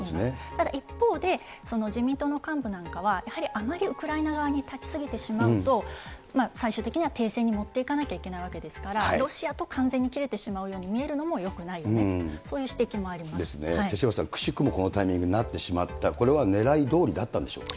ただ一方で、自民党の幹部なんかは、やはりあまりウクライナ側に立ち過ぎてしまうと、最終的には停戦に持っていかなきゃいけないわけですから、ロシアと完全に切れてしまうように見えるのもよくないよね、そういう指手嶋さん、くしくもこのタイミングになってしまった、これはねらいどおりだったんでしょうか。